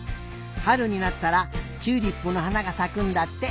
はるになったらチューリップのはながさくんだって。